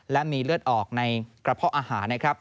และมีเลือดออกในกระเพาะอาหารนะครับ